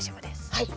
はい。